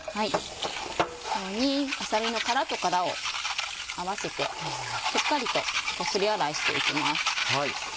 このようにあさりの殻と殻を合わせてしっかりとこすり洗いしていきます。